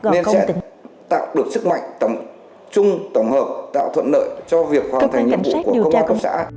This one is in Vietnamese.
nên sẽ tạo được sức mạnh tổng hợp tạo thuận lợi cho việc hoàn thành những việc